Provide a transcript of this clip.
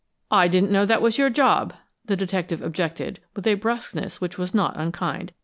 "I didn't know that was your job!" the detective objected, with a brusqueness which was not unkind.